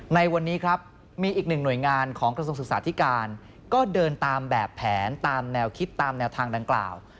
ในวันนี้ครับมีอีกหนึ่งหน่วยงานของกระทรวงศึกษาธิการก็เดินตามแบบแผนตามแนวคิดตามแนวทางดังกล่าว